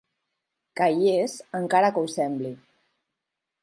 Que hi és, encara que ho sembli.